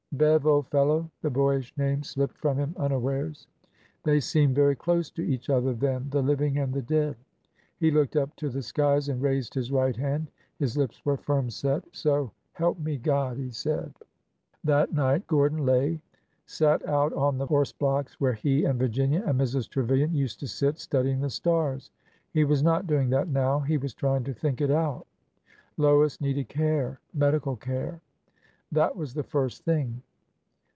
'' Bev, old fellow !"... The boyish name slipped from him unawares. They seemed very close to each other then— the living and the dead. He looked up to the skies and raised his right hand. His lips were firm set. So— help me— God! " he said. 342 ORDER NO. 11 That night Gordon Lay sat out on the horse blocks, where he and Virginia and Mrs. Trevilian used to sit studying the stars. He was not doing that now. He was trying to think it out. Lois needed care— medical care. That was the first thing.